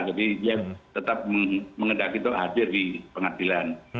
jadi dia tetap mengedaki itu hadir di pengadilan